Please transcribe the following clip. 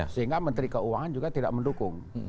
sehingga menteri keuangan juga tidak mendukung